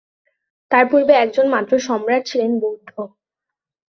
তার পূর্বে একজন মাত্র সম্রাট ছিলেন, বৌদ্ধ।